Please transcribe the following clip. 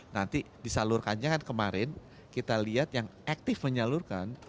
nanti disalurkannya kan kemarin kita lihat yang aktif menyalurkan